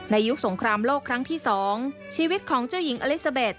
ยุคสงครามโลกครั้งที่๒ชีวิตของเจ้าหญิงอลิซาเบส